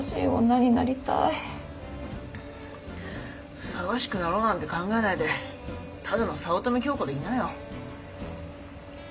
ふさわしくなろうなんて考えないでただの早乙女京子でいなよ。